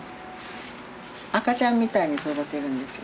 赤ちゃんみたいに育てるんですよ。